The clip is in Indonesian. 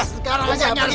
sekarang aja pergi